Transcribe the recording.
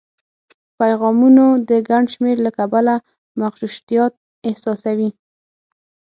پیغامونو د ګڼ شمېر له کبله مغشوشتیا احساسوي